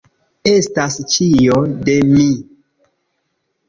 Estas ĉio de mi!